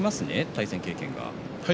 対戦経験が。